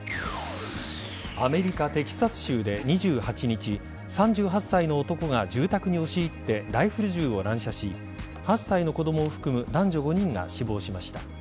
アメリカ・テキサス州で２８日３８歳の男が住宅に押し入ってライフル銃を乱射し８歳の子供を含む男女５人が死亡しました。